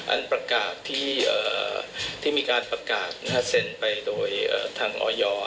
อันประกาศที่มีการประกาศเซ็นไปโดยทางออย